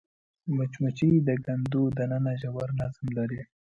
مچمچۍ د کندو دننه ژور نظم لري